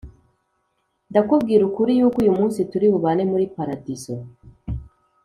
ndakubwira ukuri, yuko uyu munsi turi bubane muri paradiso